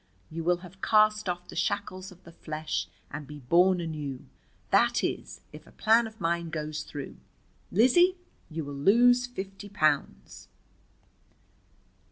You will have cast off the shackles of the flesh and be born anew. That is, if a plan of mine goes through. Lizzie, you will lose fifty pounds!"